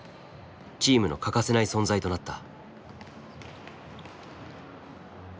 チームの欠かせない存在となった。